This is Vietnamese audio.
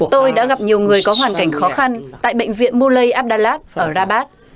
tôi đã gặp nhiều người có hoàn cảnh khó khăn tại bệnh viện muley abdalat ở rabat